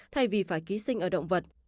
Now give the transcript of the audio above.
thay vì phải ký sinh ở động vật